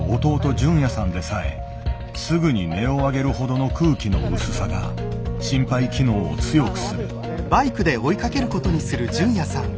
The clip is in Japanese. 隼也さんでさえすぐに音を上げるほどの空気の薄さが心肺機能を強くする。